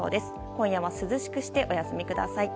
今夜は涼しくしてお休みください。